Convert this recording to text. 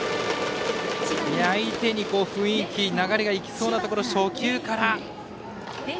相手に雰囲気流れがいきそうなところ初球から。